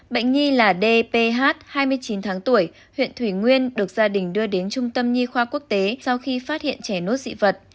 bệnh nhi là d p h hai mươi chín tháng tuổi huyện thủy nguyên được gia đình đưa đến trung tâm nhi khoa quốc tế sau khi phát hiện trẻ nuốt dị vật